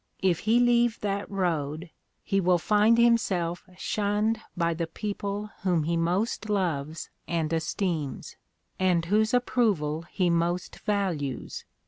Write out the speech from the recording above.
If he leave that road he vwll find himself shunned by the people whom he most loves and estetems, and whose approval he most values.